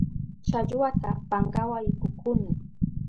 Challwata pankawa ipukuni.